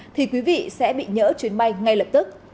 thì quý vị sẽ bị nhỡ chuyến bay ngay lập tức